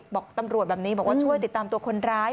บอกตำรวจแบบนี้บอกว่าช่วยติดตามตัวคนร้าย